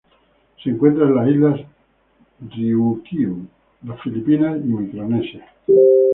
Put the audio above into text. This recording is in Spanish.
Se encuentran en las Islas Ryukyu, las Filipinas y Micronesia.